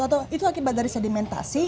atau itu akibat dari sedimentasi